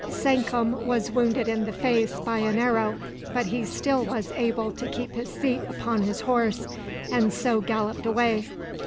Sankum was wounded in the face by an arrow, but he still was able to keep his seat upon his horse, and so galloped away.